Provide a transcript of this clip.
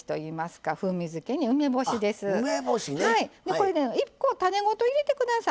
これね１個種ごと入れて下さい。